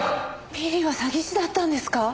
ビリーは詐欺師だったんですか？